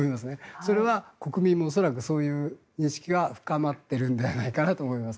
それは国民も恐らくそういう認識が深まっているんではないかと思います。